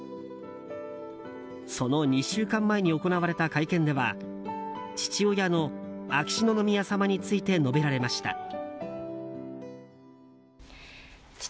その２週間前に行われた会見では父親の秋篠宮さまについて述べられました。